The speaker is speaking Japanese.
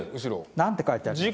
何て書いてありますか？